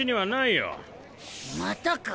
またか。